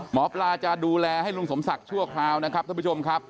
หมอปลาจะดูแลให้ลุงสมศักดิ์ชั่วคราวนะครับท่านผู้ชมครับ